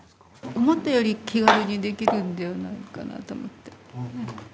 思ったより気軽にできるんではないかなと思って。